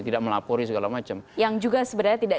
tidak melapori segala macam yang juga sebenarnya